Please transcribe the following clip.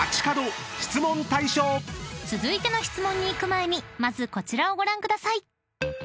［続いての質問にいく前にまずこちらをご覧ください］